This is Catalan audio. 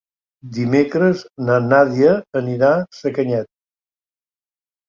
Dimecres na Nàdia anirà a Sacanyet.